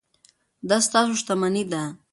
دا ستاسو شتمني ده.